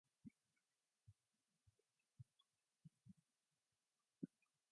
He was born in Bury, Lancashire and educated at Bury Grammar School.